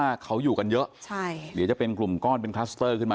ว่าเขาอยู่กันเยอะใช่เดี๋ยวจะเป็นกลุ่มก้อนเป็นคลัสเตอร์ขึ้นมา